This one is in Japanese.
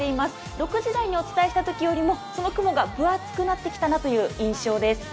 ６時台にお伝えしたときよりもその雲が分厚くなってきたなという感じです。